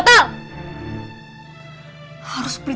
tidak mungkin kita